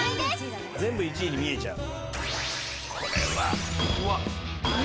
全部１位に見えちゃう。